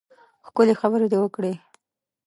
ښکلې خبرې دې وکړې.